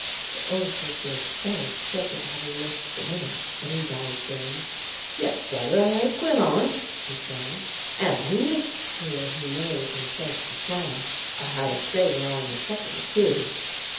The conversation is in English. The Oracle feels very sick at having missed the winner, but he dies game. "Yes, rather; I had a quid on," he says. "And" (here he nerves himself to smile) "I had a saver on the second, too."